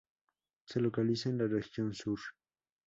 Se localiza en la Región Sur.